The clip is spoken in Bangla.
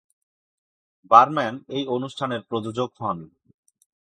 বারম্যান এই অনুষ্ঠানের প্রযোজক হন।